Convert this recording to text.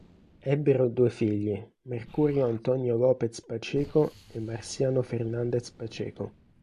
Ebbero due figli, Mercurio Antonio López Pacheco e Marciano Fernández Pacheco.